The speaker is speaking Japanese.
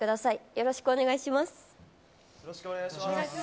よろしくお願いします。